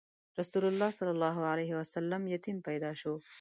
رسول الله ﷺ یتیم پیدا شو.